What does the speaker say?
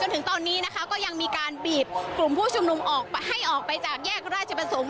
ถึงตอนนี้นะคะก็ยังมีการบีบกลุ่มผู้ชุมนุมออกให้ออกไปจากแยกราชประสงค์